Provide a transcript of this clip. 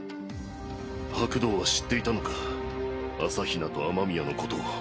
白道は知っていたのか朝日奈と雨宮のことを。